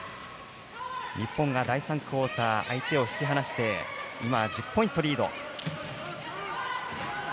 日本が第３クオーター相手を引き離して１０ポイントリード。